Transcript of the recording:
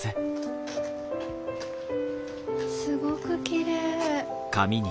すごくきれい。